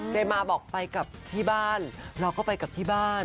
มาบอกไปกับที่บ้านเราก็ไปกลับที่บ้าน